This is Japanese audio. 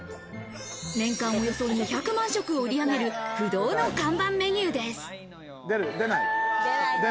年間およそ２００万食を売り上げる不動の看板メニューです。